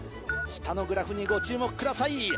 下のグラフにご注目ください。